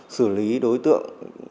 xử lý đối tượng